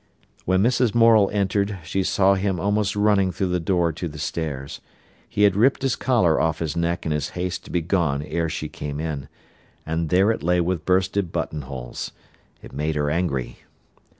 When Mrs. Morel entered, she saw him almost running through the door to the stairs. He had ripped his collar off his neck in his haste to be gone ere she came in, and there it lay with bursten button holes. It made her angry.